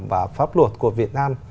và pháp luật của việt nam